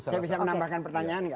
saya bisa menambahkan pertanyaan